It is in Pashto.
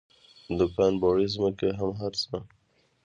دوکان بوړۍ ځمکې هر څه.